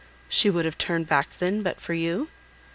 "She would have turned back then, but for you?"